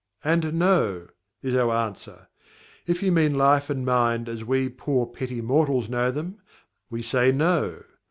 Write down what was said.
and No! is our answer. If you mean Life and Mind as we poor petty mortals know them, we say No!